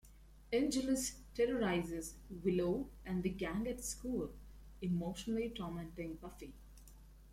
Angelus terrorizes Willow and the Gang at school, emotionally tormenting Buffy.